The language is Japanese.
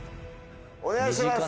お願いします